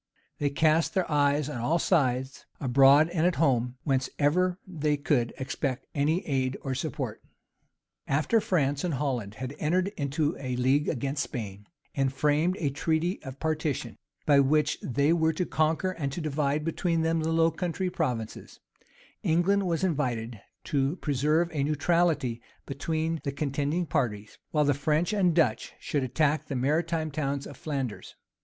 They cast their eyes on all sides, abroad and at home, whence ever they could expect any aid or support. After France and Holland had entered into a league against Spain, and framed a treaty of partition, by which they were to conquer and to divide between them the Low Country provinces, England was invited to preserve a neutrality between the contending parties, while the French and Dutch should attack the maritime towns of Flanders.